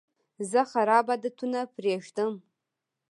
زه خراب عادتونه پرېږدم.